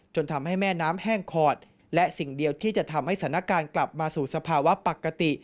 ทำให้แม่น้ำแห้งขอดและสิ่งเดียวที่จะทำให้สถานการณ์กลับมาสู่สภาวะปกติ